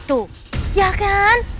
tuh ya kan